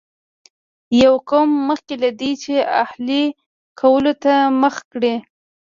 یاد قوم مخکې له دې چې اهلي کولو ته مخه کړي.